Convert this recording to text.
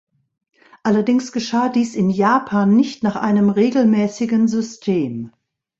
Allerdings geschah dies in Japan nicht nach einem regelmäßigen System.